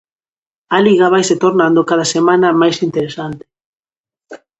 A liga vaise tornando cada semana máis interesante.